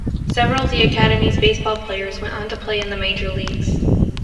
Several of the academy's baseball players went on to play in the major leagues.